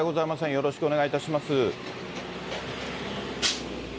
よろしくお願いします。